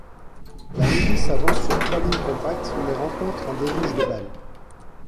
La milice avance sur trois lignes compactes, mais rencontre un déluge de balles.